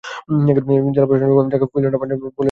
জেলা প্রশাসন যাকে কুইন আইল্যান্ড অব বাংলাদেশ বলে ঘোষণা করে।